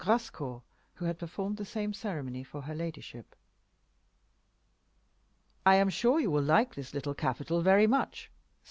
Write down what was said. Grascour, who had performed the same ceremony for her ladyship. "I am sure you will like this little capital very much," said M.